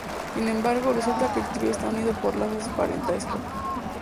Sin embargo, resulta que el trío está unido por lazos de parentesco.